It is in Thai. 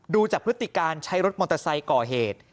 ดูจากพฤติการใช้รถมอเตอร์ไซค์ก่อเหตุ